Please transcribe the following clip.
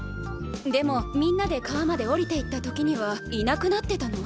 でもみんなで川までおりていった時にはいなくなってたの。